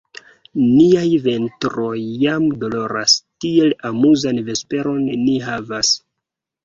Niaj ventroj jam doloras; tiel amuzan vesperon ni havas!